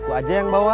aku aja yang bawa